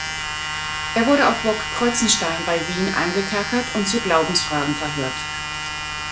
Er wurde auf Burg Kreuzenstein bei Wien eingekerkert und zu Glaubensfragen verhört.